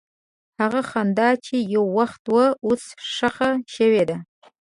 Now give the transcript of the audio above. هغه خندا چې یو وخت وه، اوس ښخ شوې ده.